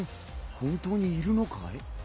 本当にいるのかい？